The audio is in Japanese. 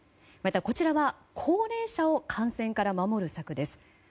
また高齢者を感染から守る策です。